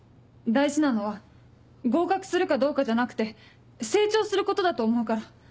大事なのは合格するかどうかじゃなくて成長することだと思うから。